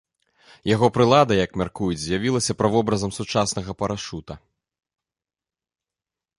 Яго прылада, як мяркуюць, з'явілася правобразам сучаснага парашута.